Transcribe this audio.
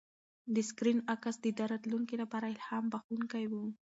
د سکرین عکس د ده د راتلونکي لپاره الهام بښونکی و.